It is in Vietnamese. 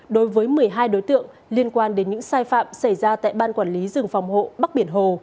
đối với một mươi hai đối tượng liên quan đến những sai phạm xảy ra tại ban quản lý rừng phòng hộ bắc biển hồ